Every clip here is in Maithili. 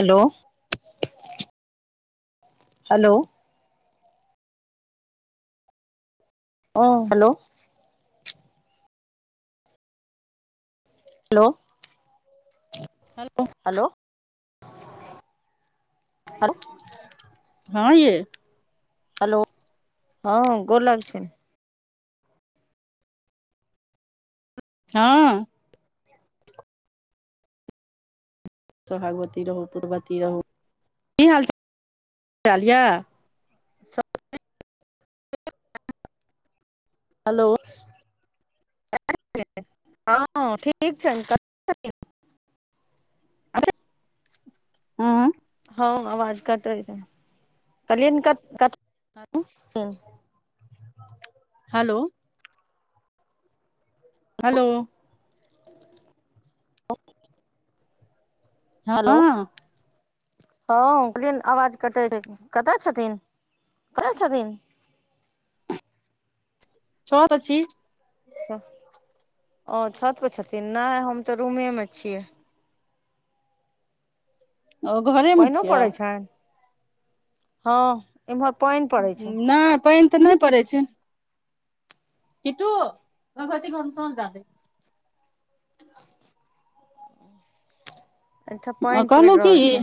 हेलो हेलो ह हेलो हेलो हेलो हलो हँ यै हेलो हँ गोर लागै छियैन हँ सोहागवती रहू पूत्रवती रहू की हाल चाल यऽ सभ हेलो ठीक हँ ठीक छनि त हँ हँ आवाज कटै छनि कहलिय ने क क हालो हेलौ हालो हँ हँ बृन आवाज कटै छै कतऽ छथिन कतऽ छथिन छत अछी ओ छत पर छथिन नहि हम तऽ रूमेमे छियै ओ घरेमे पानिओ छियै पड़ै छनि हँ एमहर पॉइंन नहि पानि तऽ नहि पड़ैत छै किटू भगवति घर मे सांझ दै दही एहिठाम आ पानि पड़ि कहलहुँ की रहल छै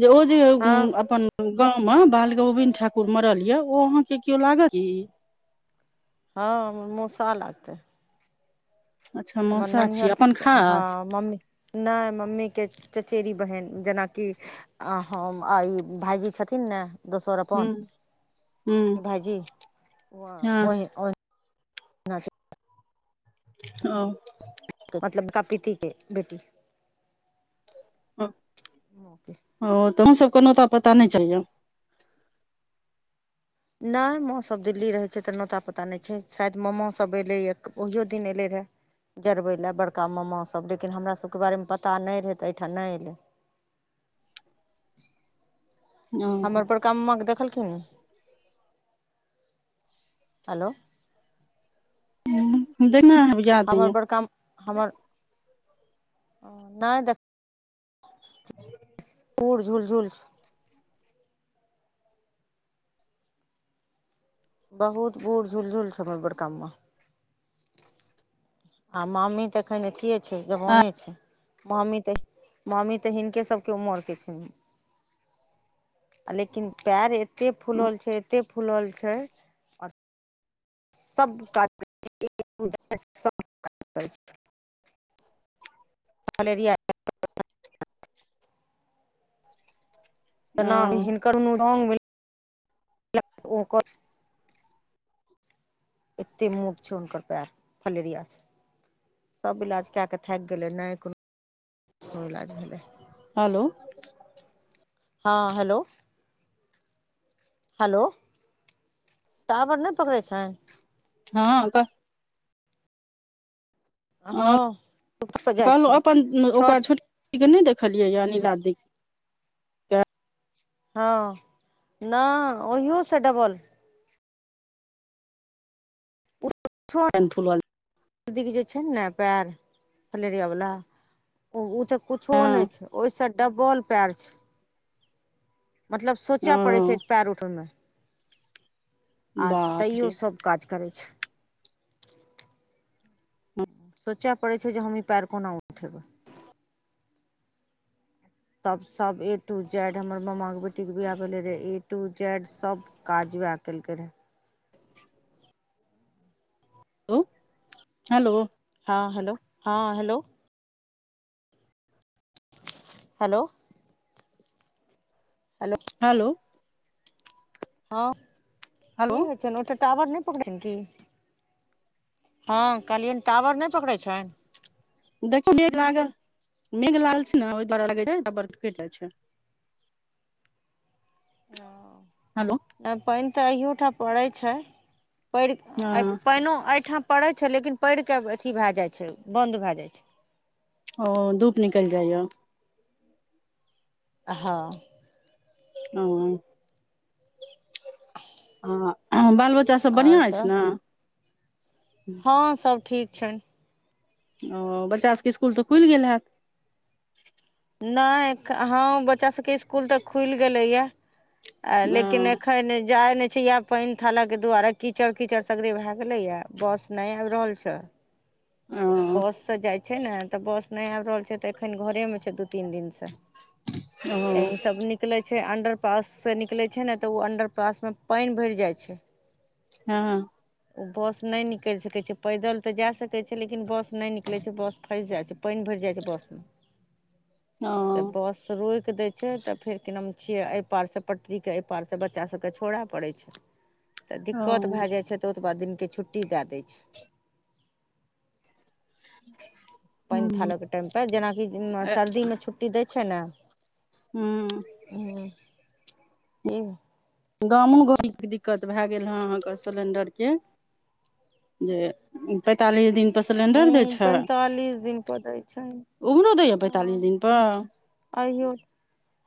जे ओ जे हँ अपन गाँं मे बाल गौविन्द ठाकुर मरल ये ओ अहाँके केओ लागत क हँ हम मूसा लागतै अच्छा हमर मौसा नानी छी आर अपन कि हँ खास मम्मी नहि मम्मी के चचेरी बहिन जेनाकि आ हम आ ई भाइजी छथिन ने दोसर हूँ अपन हूँ ई भाजी हँ ह मतलब कपीति के बेटी हँ ओके ओ तोह सभ को नहुता पता नहि चाहियए नहि माँसभ दिल्ली रहै छै तऽ नोता पोता नहि छै शायद मामासभ अयलैए ओहिओ दिन एयलै रहए जरबै लए बड़का मामासभ लेकिन हमरा सबके बारेमे पता नहि रहै तऽ एहिठाम नहि एयलै हँ हमरपर का ममक देखलखिन य हेलो ह नहि [unintelligible] हमर बड़ काम हमर नहि देख ह [unintelligible] पूर झुल झुल बहुत भुर झुल झुल समझ बड़ काम आ मामी तऽ एखन अथिए छै जबोने छै मामी तऽ मामी तऽ हिनके सबके उमर के छनि आ लेकिन पैर एते फूलल छै एते फूलल छै सब काज करै सब काज करै [unintelligible] मलेरिया ओ तना हिनकर नुरन ओकर एते मुट छै हुनकर पैर फलेरिया स सभ इलाज कए कऽ थाकि गेलै नहि कोनो कोनो इलाज भेलै हेलो हँ हेलो हेलो टावर नहि पकड़ै छनि हँ क हँ ह ऊपर पर जाइ कहलहुँ छियै अपन ओकरा छत छोट छोटीके नहि देखलियैए अनिलादि हँ नहि ओहिसँ डबल पे फुल सर्दी जे छै ने पैर फलेरिया वाला ओ त कुछो नहि हँ छै ओहि से डबल पयर छै मतलब ओ सोचय पड़े छै एक पयर उठैं मे आ बाप तैयो रे सब काज करैत छै सोचय पड़ैत छै जे हम ई पएर कोना उठेबै तब सब ए टू जेड हमर मामा के बेटी बेटी के बियाह भेले रहे ए टू जेड सब काज वहे केलकै रहे हेलो हेलो हँ हेलो हँ हेलो हलो हेलो हालो हँ हेलो कि होय छनि ओतऽ टावर नहि पकड़ैय छनि की हँ कहलियनि टावर नहि पकड़ै छनि देखियौ मेघ लागल मेघ लागल छै ने ओहि दुआरे टाबर कटि जाय छनि ओ हेलो नहि पानि तऽ आयो ठाम पड़ैत छै पड़ि हँ पानिओ एहिठाम पड़ै छै लेकिन पड़ि कऽ अथी भए जाय छै बंद भए जाइ छै ओ धूप निकलि जाय हँ ह ह बाल बच्चा सब आओर बढ़िआँ अछि सब न हँ सब ठीक छनि ओ बच्चा सभके स्कुल तऽ खुलि गेल हेत नहि हँ बच्चा सबके स्कुल तऽ खुलि गेलै य आ ओ लेकिन एखन जाय नै छै आब पानि थाला के दुआरे कीचड़ कीचड़ सगरे भय गेलै ये बस नही आबि रहल छै ओ बससँ जाय छै ने तऽ बस नहि आबि रहल छै तऽ एखन घरेमे छै दू तीन दिनसँ ओ एहि सब निक निकलै छै अण्डर पाससँ निकलै छै ने तऽ ओ अण्डर पासमे पानि भरि जाय छै हँ ओ बस नहि निकल सकै छै पैदल त जाय सकै छै लेकिन लेकिन बस नहि निकलै छै बस फसि जाय छै पानि भरि जाय छै बस में ओ त बस रोकि दैय छै तऽ फेर कि नाम छियै एहि पार से पटरी के एहि पार से बच्चा सब के छोड़य पड़ै छै तऽ हँ दिक्कत हूँ भए जाय छै तऽ ओतबा दिनके छुट्टी दए दै छै [unintelligible] पानि थालक टाइमपर जेनाकि ए सर्दीमे छुट्टी दै छै ने हूँ [unintelligible] गामो गाड़ीके दिक्कत भए गेल हँ अहाँके सिलेण्डरके जे पैंतालिस दिन पर सिलेंडर दै छै पैंतालिस दिन प दै छै उम्हरो दैये पैंतालिस दिन पर आ यो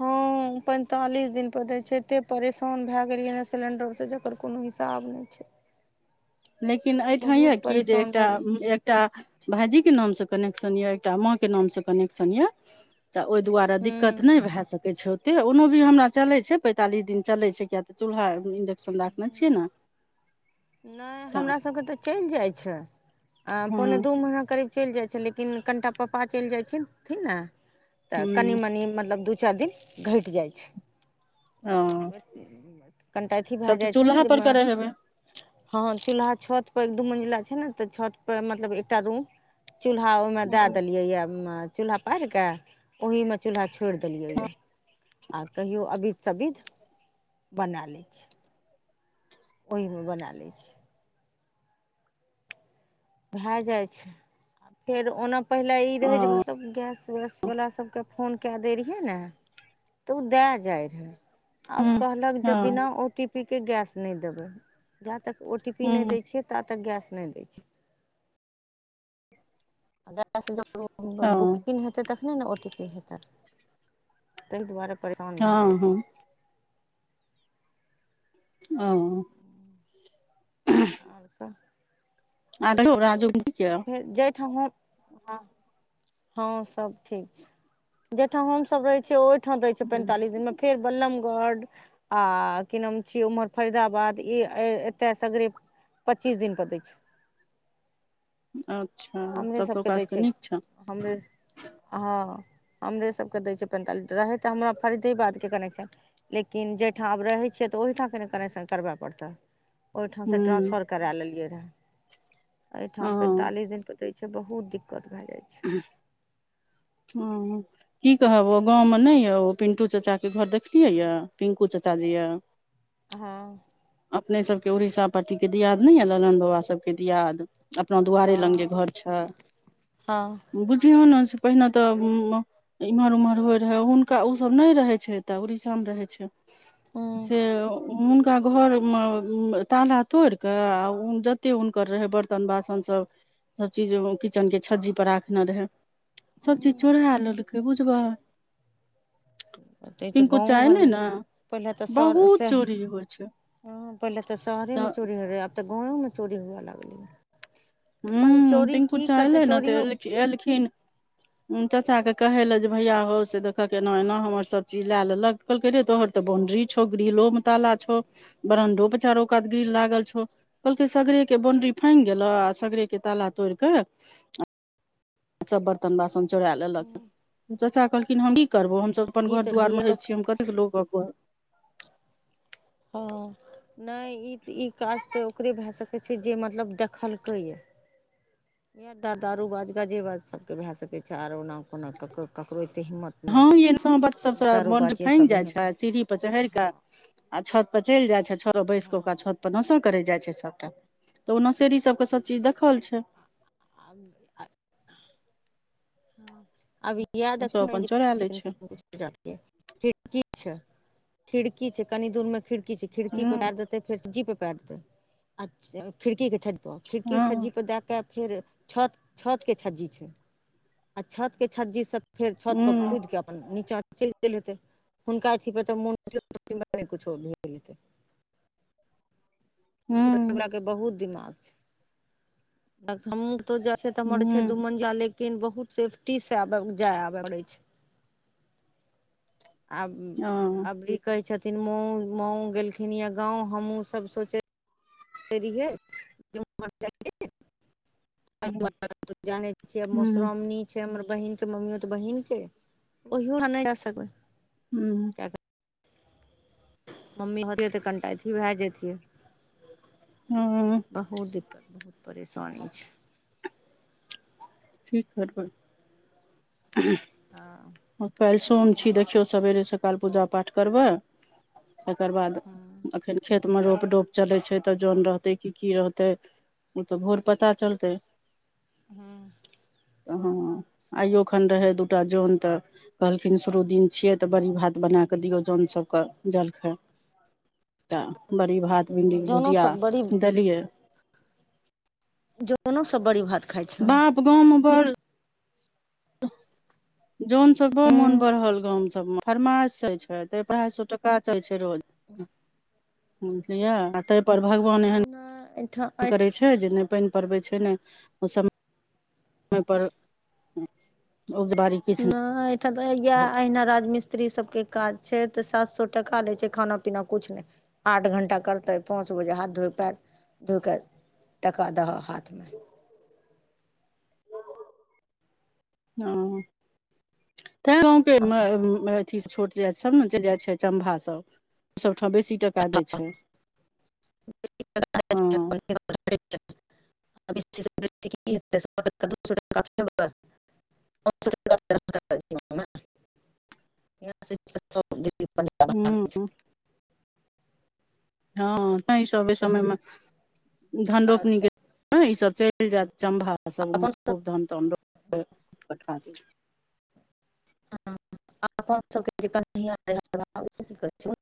हँ पैंतालिस दिन पर दैय छै एते परेशान भए गेलियै न सिलेंडर से ओकर कोनो हिसाब नहि छै लेकिन एहिठाम यए बहुत की जे परेशान एकटा भए गेलै एकटा भाइजीके नामसँ कनेक्शन यए एकटा माँके नामसँ कनेक्शन यए तऽ ओहि दुआरे दिक्कत नहि हूँ भए सकै छै त ओनो भी हमरा चलै छै पैंतालिस दिन चलै छै किएक तऽ चूल्हा इन्डक्शन राखने छियै न नहि हमरा सबके तऽ चलि जाय छै पोने हँ दू महीना करीब चलि जाय छै लेकिन कनिटा पप्पा चलि जायछथिन न तऽ कनि हूँ मनि मतलब दू चारि दिन घटि जाय ओ छै कनिटा अथी भए तब तऽ जाइ छै न जे चूल्हापर म करै हेबै हँ चूलहा छत पर एक दू मंजिल छै ने तऽ छत पर मतलब एकटा रूम चूलहा मे दय देलिये या चूल्हा पारि के ओहि में चूल्हा छोड़ि देलियै य आ कहियो अबित सबित बना लै छियै ओहिमे बना लै छी भए जाइ छै आ फेर ओना पहिले ई रहै ओ जेबै सब गैस वैस वाला सबके फोन क‌ए दय रहियै न तऽ ओ दए जाय रहे हँ आब कहलक जे बिना हँ ओ टी पी के गैस नहि देबै जा तक ओ टी पी नहि हँ दै छियै ता तक गैस नहि दैत छै गैस जब हँ बुकिंग हेतै तखने ने ओ टी पी हेतै ताहि दुआरे परेशान भए जाय छियै हँ ओ आओर सभ [unintelligible] जय ठाम हं हँं सब ठीक छै जैहिठाम हम सब रहै छियै ओहिठाम दै छै पैंतालिस दिन मे फेर बलमगढ़ आ कि नाम छियै उम्हर फरीदाबाद ई ए एतय सगरे पच्चीस दिन पर दै छै अच्छा हमरे तब तऽ ओकरा सबके दै सबकेँ नीक छै हमरे हँ हमरे सबके दै छै पैंतालिस रहै तऽ हमरा फरीदे बादके कनेक्शन लेकिन जै ठाम आब रहै छियै तऽ ओहिठाम के ने कनेक्शन करबय पड़तै ओहिठाम से हूँ ट्रानंसफर करा लेलियै रहे एहिठाम हँ पैंतालिस दिन तऽ छै बहुत दिक्कत भए जाय छै हँ की कहब ओ गाँवमे नहि यऽ ओ पिन्टू चाचाके घर देखलियै यऽ पिन्कू चाचाजी यऽ हँ अपनेसभके उड़ीसा पट्टीके दियाद नहि यए ललन बउआ सभकेँ दियाद अपना दुआरे हँ लंगे घर छै हँ बुझियो न से पहिने तऽ एम्हर ओम्हर होय रहै हुनका ओसभ नहि रहै छै तऽ उड़ीसामे रहै छै हूँ जे हुनका घरमे ताला तोड़िकऽ आ जतेक हुनकर रहै बरतन बासन सब सभचीज किचनके छज्जीपर राखने रहै सभचीज हूँ चोरा लेलकै बुझबै तै तऽ पिंकु गाँवो चाअयलै घरमे ने पहिले तऽ शहर बहुत सेह चोरी होय छै हँ पहिले तऽ शहरे मे चोरी होय रहै आब तऽ गांवो मे चोरी हुए लागलै पर हूँ चोरी पिंकु की चा करतै एलै ने त चोरियो एल एलखिन चाचा के कहै लए जे भैया हौ से देखक एना एना हमर सब चीज लए लेलक रै तोहरऽ बाउंड्री छौ ग्रिलो मे ताला छौ बरंडो पर चारो कात ग्रिल लागल छौ कहलकै सगरे के बाउंड्री फाइन गेलो आ सगरे के ताला तोड़ि कऽ सभ बर्तन बासन चोरा लेलक चाचा कहलखिन हम ई करबो हमसभ अपन ई घर तऽ दुआर घैये मे हय लोक छियै हम कतेक लोक हँ नहि ई ई काज तऽ ओकरे भए सकै छै जे मतलब देखलकै या दारू बाज गजे बाज सबके भए सकै छै आर ओना कोना कक ककरो एतेक हिम्मत नहि हँ य छै दारू बाजे सब एहन छत परे चहरि के हँ आ छत पर चलि जाय छै छत पर बैस के ओकरा हँ छत पर नसा करे जाय छै सबटा तऽ ओ नसेरी सब के सब चीज देखल छै अबी। [unintelligible] ई ओ सब देखथून अपन जे। चोरा लै छै खिड़की छै, खिड़की छै, कनि दूरमे खिड़की छै, खिड़कीक हूं पार दे। फेर छज्जीपर पेर दे, खिड़कीके हँ छज्जीपर दे कऽ फेर। छत, छतके छज्जी छै, आ छतके छज्जीसँ फेर छतपर हूं कूदि कऽ। नीचा चलि गेल हेतै हुनका अथीपर तऽ [unintelligible] हूं हूं के बहुत दिमाग छै हमु तो जा। [unintelligible] सेतऽ हमर छै दू-मंजिला, लेकिन बहुत सेफ्टीसँ आबै-जाइ पड़ै छै। आब हँ अबरी कहै छथिन, मउ-मउ गेलखिन या गाँव, हमहुँ सभ सोचै। [unintelligible] [unintelligible] जाने छियै, हूं मोशरामनी। छै, हमर बहिनके मम्मियो तऽ बहिनके ओहियो नहि जा सकबै। हूँ। [inaudible] मम्मी होइतियै तऽ कनिटा अथी भऽ जेतियै। हूँ। बहुत दिक्कत-परेशानी छै। ठीक ह पर। [unintelligible] [unintelligible] हँ। काल्हि सोम छै, देखियौ, सवेरे-सकाल पूजा-पाठ करबै। तकर बाद एखन खेतमे रोप-डोप चलै छै, तऽ जोन रहतै की-की रहतै। ओ तऽ भोर पता चलतै। हँ। हँ, आइयो एखन रहै दूटा जन तऽ। कहलखिन, शुरू दिन छियै तऽ बड़ि भात बना कऽ दियौ, जनसभके जलखै। तऽ बड़ी-भात, भिण्डीके जनो भुजिया सब बड़ी देलियै। जोनो सभ बड़ी-भात। बाप गाँवमे बड़। [unintelligible] जोन सभ बड़ मोन बढ़ल, गाम सभमे फरमाइश चलै छै, ताहि पर ढ़ाइ सय टका चलै छै रोज। बुझलियै, ताहि पर भगवान एहन। हैं [unintelligible] करै छै जे नहि पानि पड़बै छै, नहि ओ सभ। [unintelligible] मेहर उगबारी। नहि, एहिठाम तऽ ई अहिना राजमिस स्त्री सभके काज छै तऽ सात सय टका लै छै, खाना-पीना किछु नहि। आठ घंटा करतै, पाँच बजे हाथ धो-पैर धो कऽ। टाका दऽ हाथमे। हँ। तैँ गाँवके अथी छोट जाति सभ ने चलि जाइ छै, चम्भासभ। सभठाम बेसी टाका दै छै, हँ। [unintelligible] [unintelligible] [unintelligible] भागै हूँ। हँ, तैँ सभ एहि समयमे। धन रोपनी छै ई सभ चलि जेतै, चम्भा सभ अपन सब खूब धान। [unintelligible] [unintelligible]